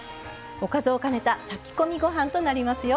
おかずを兼ねた炊き込みご飯となりますよ。